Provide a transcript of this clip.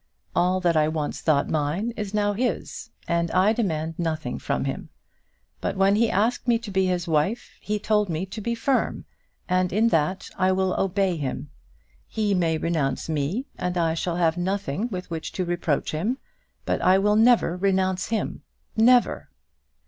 All that I once thought mine is now his, and I demand nothing from him. But when he asked me to be his wife he told me to be firm, and in that I will obey him. He may renounce me, and I shall have nothing with which to reproach him; but I will never renounce him never."